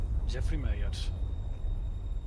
Jeffrey Myers